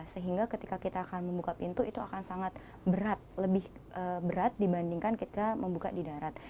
sehingga ketika kita akan membuka pintu itu akan sangat berat lebih berat dibandingkan kita membuka di darat